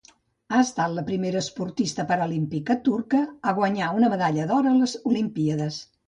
Ha estat la primera esportista paralímpica turca a guanyar una medalla d'or a les olimpíades.